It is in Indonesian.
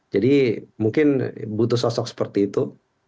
jadi mungkin butuh sosok seperti itu